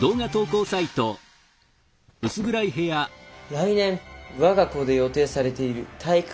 来年我が校で予定されている体育館の建て替え。